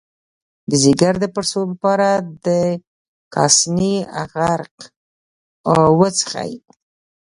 د ځیګر د پړسوب لپاره د کاسني عرق وڅښئ